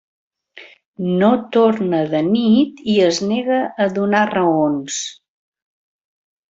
No torna de nit i es nega a donar raons.